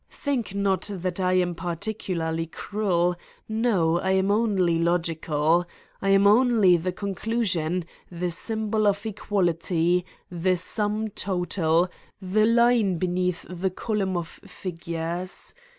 Think not that I am particularly cruel, no I am only logi cal. I am only the conclusion, the symbol of equality, the sum total, the line beneath the 225 Satan's Diary column of figures.